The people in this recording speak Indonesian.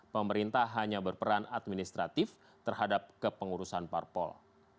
pemerintah hanya berperan administratif terhadap kepengurusan parpol